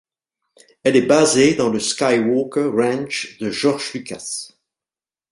Elle est basée dans le Skywalker Ranch de George Lucas.